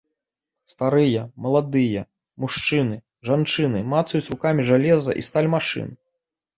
Старыя, маладыя, мужчыны, жанчыны мацаюць рукамі жалеза і сталь машын.